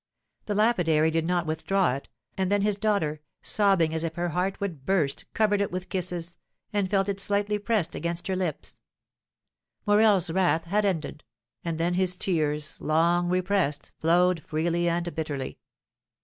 The lapidary did not withdraw it, and then his daughter, sobbing as if her heart would burst, covered it with kisses, and felt it slightly pressed against her lips. Morel's wrath had ended, and then his tears, long repressed, flowed freely and bitterly.